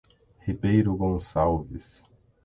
Ribeiro Gonçalves